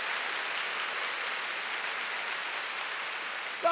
さあ